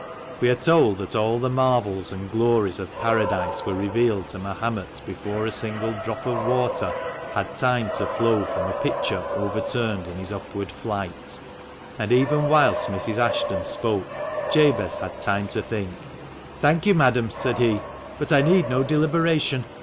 We are told that all the marvels and glories of Paradise were revealed to Mahomet before a single drop of water had time to flow from a pitcher overturned in his upward flight ; and even whilst Mrs, Ashton spoke, Jabez had time to think. "Thank you, madam," said he, "but I need no deliberation.